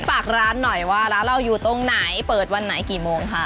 ฝากร้านหน่อยว่าร้านเราอยู่ตรงไหนเปิดวันไหนกี่โมงค่ะ